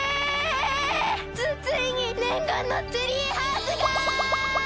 つついにねんがんのツリーハウスが！